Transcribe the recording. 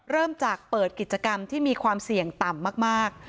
เริ่มจากเปิดกิจกรรมที่มีความเสี่ยงต่ำมาก